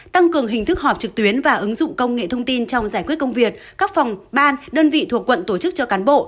tăng cường hình thức họp trực tuyến và ứng dụng công nghệ thông tin trong giải quyết công việc các phòng ban đơn vị thuộc quận tổ chức cho cán bộ